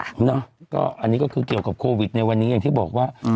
อันนี้ก็คือเกี่ยวกับโควิดในวันนี้อย่างที่บอกว่า